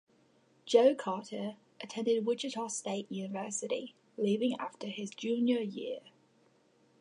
Joe Carter attended Wichita State University, leaving after his junior year.